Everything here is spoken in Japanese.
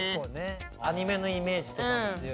アニメのイメージとかも強い。